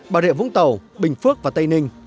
bà rịa vũng tàu bình phước và tây ninh